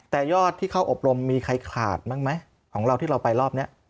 แต่ยอดที่เข้าอบรมมีใครขาดบ้างไหมของเราที่เราไปรอบนี้